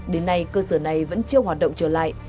đến nay cơ sở này vẫn chưa hoạt động trở lại